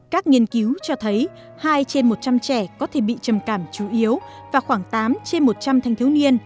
các nghiên cứu cho thấy hai trên một trăm linh trẻ có thể bị trầm cảm chủ yếu và khoảng tám trên một trăm linh thanh thiếu niên